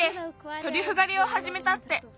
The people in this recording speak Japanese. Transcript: トリュフがりをはじめたって。